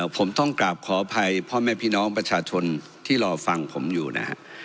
ผมต้องกราบขออภัยพ่อแม่พี่น้องประชาชนที่รอฟังผมอยู่นะฮะ